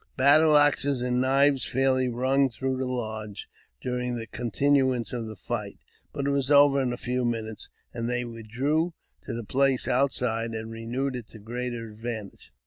Battle axes and knives fairly rung through the lodge during the continuance of the fight ; but it was over in a few minutes, and they withdrew to the place outside, and renewed it to gi'eater advantage.